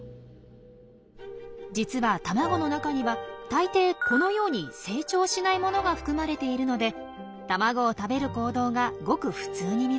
実は卵の中には大抵このように成長しないものが含まれているので卵を食べる行動がごく普通に見られるんです。